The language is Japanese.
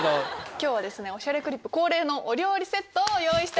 今日は『おしゃれクリップ』恒例のお料理セットを用意してます。